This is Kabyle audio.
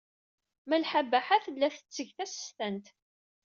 Malḥa Baḥa tella tetteg tasestant.